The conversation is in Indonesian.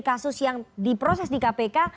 kasus yang diproses di kpk